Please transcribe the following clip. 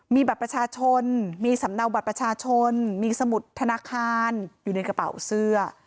มีบัตรประชาชนมีสำเนาบัตรประชาชนมีสมุดธนาคารอยู่ในกระเป๋าเสื้อ